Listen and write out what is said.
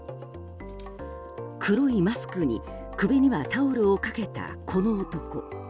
黒いマスクに首にはタオルをかけた、この男。